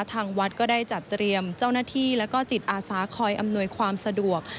ทางวัดก็ได้จัดเตรียมเจ้าหน้าที่และก็จิตอาสาคอยอำนวยความสะดวก